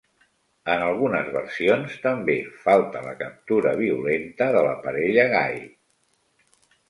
En algunes versions també falta la captura violenta de la parella gai.